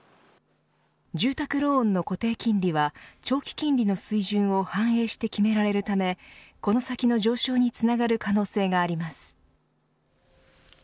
住宅ローンの固定金利は長期金利の水準を反映して決められるためこの先の上昇につながる可能性があります。